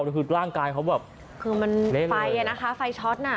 รู้สึกว่าร่างกายเขาแบบเละเลยคือมันไฟไฟช็อตน่ะ